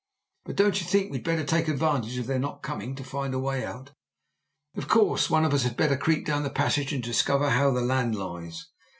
"But don't you think we'd better take advantage of their not coming to find a way out?" "Of course. One of us had better creep down the passage and discover how the land lies.